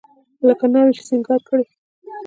لکه ناوې چې سينګار کړې.